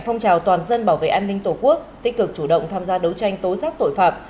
phong trào toàn dân bảo vệ an ninh tổ quốc tích cực chủ động tham gia đấu tranh tố giác tội phạm